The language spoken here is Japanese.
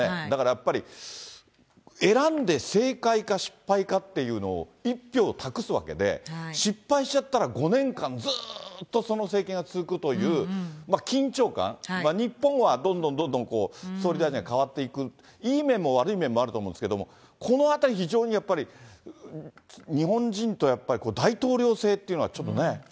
だからやっぱり、選んで正解か失敗かっていうのを、１票を託すわけで、失敗しちゃったら、５年間ずっとその政権が続くという、緊張感、日本はどんどんどんどん総理大臣が代わっていく、いい面も悪い面もあると思うんですけれども、このあたり非常にやっぱり、日本人とやっぱり大統領制というのはちょっとね。